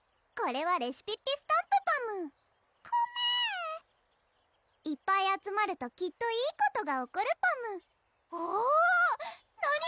これはレシピッピスタンプパムコメいっぱい集まるときっといいことが起こるパムおぉ何？